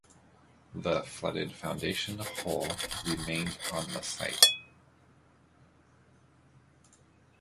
The flooded foundation hole remained on the site.